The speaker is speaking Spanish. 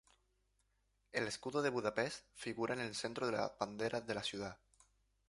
El escudo de Budapest figura en el centro de la bandera de la ciudad.